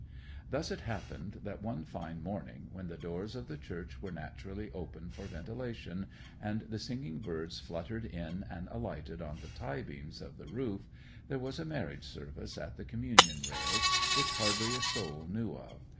Thus it happened that one fine morning, when the doors of the church were naturally open for ventilation, and the singing birds fluttered in and alighted on the tie beams of the roof, there was a marriage service at the communion rails, which hardly a soul knew of.